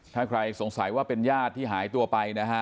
ถ้าใครสงสัยว่าเป็นญาติที่หายตัวไปนะฮะ